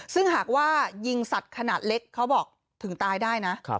ซึ่งหากว่ายิงสัตว์ขนาดเล็กเขาบอกถึงตายได้นะ